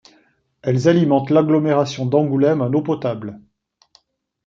Elles alimentent l'agglomération d'Angoulême en eau potable.